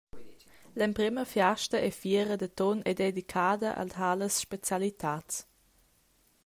L’emprema fiasta e fiera d’atun ei dedicada a talas specialitads.